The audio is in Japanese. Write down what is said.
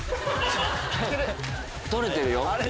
捕れてるよ。